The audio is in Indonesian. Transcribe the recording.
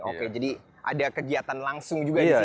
oke jadi ada kegiatan langsung juga di sini